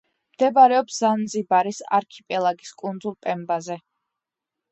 მდებარეობს ზანზიბარის არქიპელაგის კუნძულ პემბაზე.